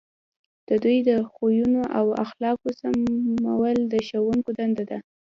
د دوی د خویونو او اخلاقو سمول د ښوونکو دنده ده.